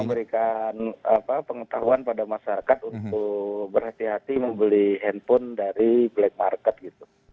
memberikan pengetahuan pada masyarakat untuk berhati hati membeli handphone dari black market gitu